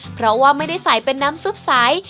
เพราะว่าไม่ได้ใส่เป็นน้ำซุปใส